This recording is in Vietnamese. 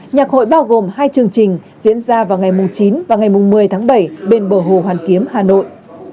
nhạc hội bao gồm hai chương trình diễn ra vào ngày chín và ngày một mươi tháng bảy bên bờ hồ hoàn kiếm hà nội